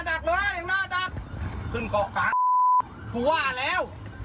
จอดเลยไม่จอดเจ็บแล้ว